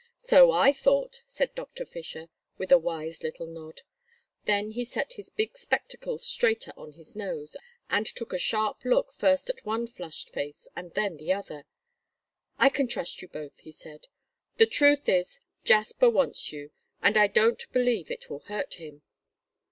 "So I thought," said Doctor Fisher, with a wise little nod. Then he set his big spectacles straighter on his nose, and took a sharp look first at one flushed face and then the other. "I can trust you both," he said. "The truth is, Jasper wants you, and I don't believe it will hurt him."